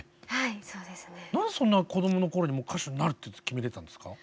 なぜそんな子供の頃にもう歌手になるって決めてたんですか？